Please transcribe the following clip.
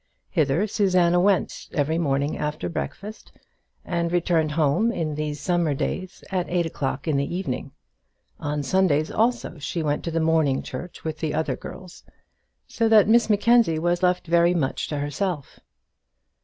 Hither Susanna went every morning after breakfast, and returned home in these summer days at eight o'clock in the evening. On Sundays also, she went to morning church with the other girls; so that Miss Mackenzie was left very much to herself.